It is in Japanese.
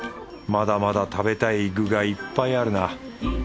まだまだ食べたい具がいっぱいあるな。